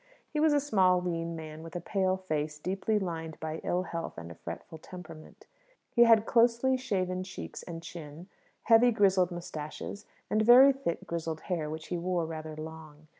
He was a small, lean man, with a pale face deeply lined by ill health and a fretful temperament. He had closely shaven cheeks and chin; heavy, grizzled moustaches; and very thick, grizzled hair, which he wore rather long.